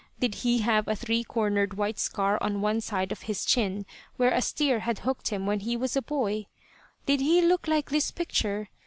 Did he have a three cornered white scar on one side of his chin, where a steer had hooked him when he was a boy? Did he look like this picture?